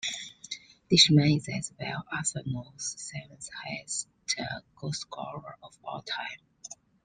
Lishman is as well Arsenal's seventh highest goalscorer of all time.